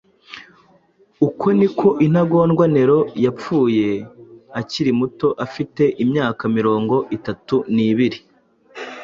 Uko niko intagondwa Nero yapfuye akiri muto afite imyaka mirongo itatu n’ibiri.